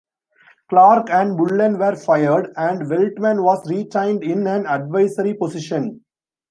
Clark and Bullen were fired, and Veltman was retained in an advisory position.